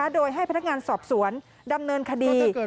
โดยให้พนักงานสอบสวนดำเนินคดี